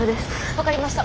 分かりました。